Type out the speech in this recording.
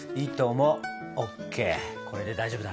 これで大丈夫だな！